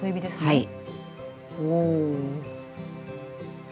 はい。